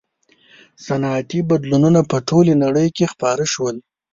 • صنعتي بدلونونه په ټولې نړۍ کې خپاره شول.